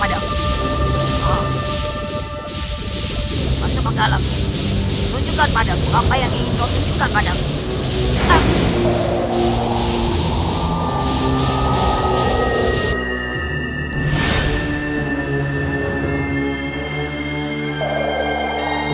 ada yang ingin melihatmu